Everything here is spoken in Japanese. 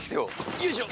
よいしょ！